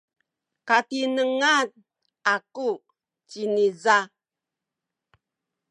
katinengan aku ciniza.